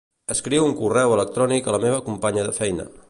Escriu un correu electrònic a la meva companya de feina.